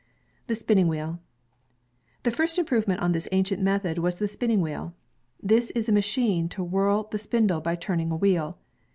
The Spinning Wheel The first improvement on this ancient method was the spinning wheel. This is a machine to whirl the spindle by turning a wheel.